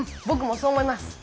ぼくもそう思います。